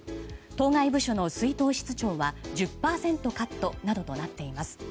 当該部署の出納室長は１０％カットなどとなっています。